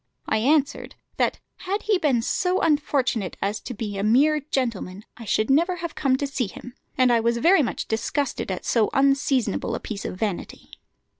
I answered, that had he been so unfortunate as to be a mere gentleman I should never have come to see him; and I was very much disgusted at so unseasonable a piece of vanity."